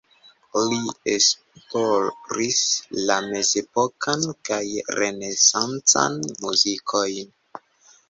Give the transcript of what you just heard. Li esploris la mezepokan kaj renesancan muzikojn.